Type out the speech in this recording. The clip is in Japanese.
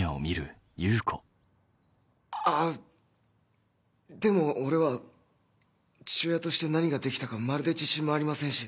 あでも俺は父親として何ができたかまるで自信もありませんし。